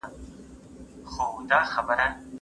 زه اوږده وخت لوښي وچوم وم.